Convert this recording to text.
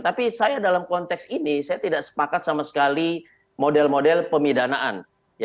tapi saya dalam konteks ini saya tidak sepakat sama sekali model model pemidanaan